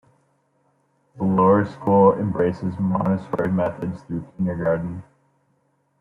The Lower School embraces Montessori methods through kindergarten.